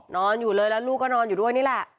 นอนอยู่เลยแล้วลูกก็นอนอยู่ด้วยนี่แหละ